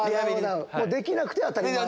できなくて当たり前。